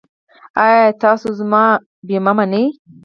ایا تاسو زما بیمه منئ؟